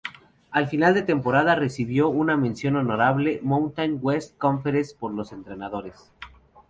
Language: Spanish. A final de temporada recibió una "mención honorable" Mountain West Conference por los entrenadores.